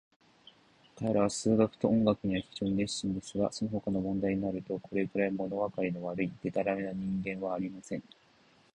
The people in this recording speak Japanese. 彼等は数学と音楽には非常に熱心ですが、そのほかの問題になると、これくらい、ものわかりの悪い、でたらめな人間はありません。